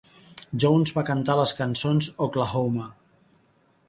Jones va cantar les cançons Oklahoma!